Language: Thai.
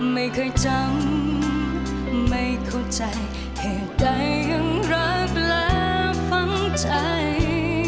ไม่เคยจำไม่เข้าใจเหตุใดยังรักและฟังใจ